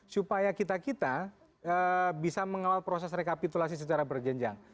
supaya kita kita bisa mengawal proses rekapitulasi secara berjenjang